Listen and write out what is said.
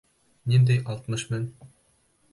Ниндәй алтмыш мең?